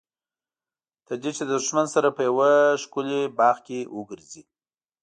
تر دې چې د دښمن سره په یوه ښکلي باغ کې وګرځي.